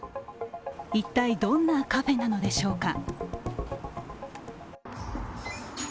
一体どんなカフェなのでしょうか。